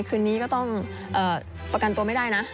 คืนนี้ก็ต้องประกันตัวไม่ได้นะ